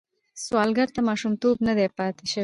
سوالګر ته ماشومتوب نه دی پاتې شوی